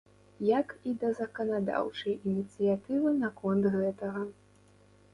Як і да заканадаўчай ініцыятывы наконт гэтага.